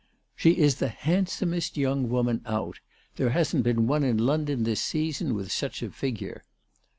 " She is the handsomest young woman out. There hasn't been one in London this season with such a figure."